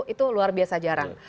itu luar biasa jarang